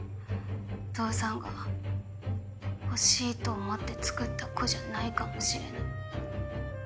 お父さんが欲しいと思ってつくった子じゃないかもしれない。